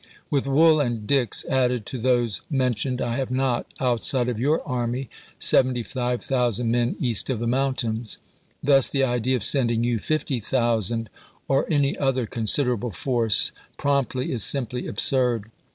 With Wool and Dix added to those men tioned I have not, outside of your army, 75,000 men east of the mountains. Thus the idea of sending you 50,000, or any other considerable force, promptly is simply ab surd.